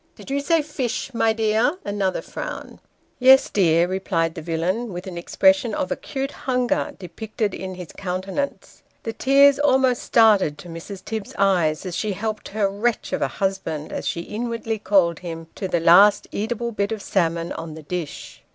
Did you say fish, my dear ?" (another frown). " Yes, dear," replied the villain, with an expression of acute hunger Dinner and Dinner Talk. 211 depicted in his countenance. The tears almost started to Mrs. Tibbs's eyes, as she helped her " wretch of a husband," as she inwardly called him, to the last eatable bit of salmon on the dish.